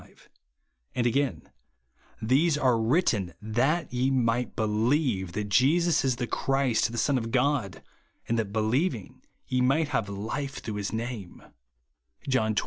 35) ; and, again, " These are ivritten, THAT YE MIGHT BELIEVE that Jesus is the Christ, the Son of God ; and that believing ye might have life through his name," (John XX.